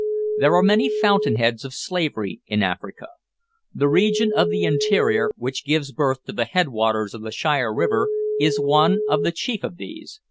There are many fountain heads of slavery in Africa. The region of the interior, which gives birth to the head waters of the Shire river, is one of the chief of these.